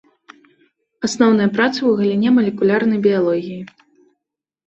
Асноўныя працы ў галіне малекулярнай біялогіі.